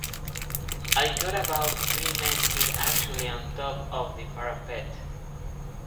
I got about three men hit actually on top of the parapet.